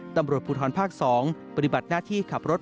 ตำรวจภูทรภาค๒ปฏิบัติหน้าที่ขับรถ